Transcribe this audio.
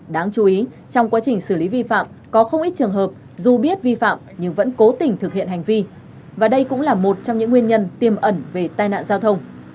đáng chú ý trong quá trình xử lý vi phạm có không ít trường hợp dù biết vi phạm nhưng vẫn cố tình thực hiện hành vi và đây cũng là một trong những nguyên nhân tiềm ẩn về tai nạn giao thông